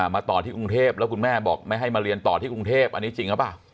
มาต่อที่กรุงเทพแล้วคุณแม่บอกไม่ให้มาเรียนต่อที่กรุงเทพอันนี้จริงหรือเปล่า